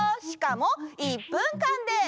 しかも１分間で！